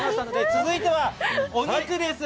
続いてはお肉です。